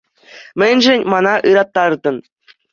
Мӗншӗн мана ыраттаратӑн?